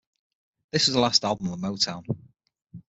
This was the last album on Motown.